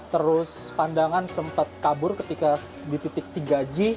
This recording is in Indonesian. terus pandangan sempat kabur ketika dititik tiga g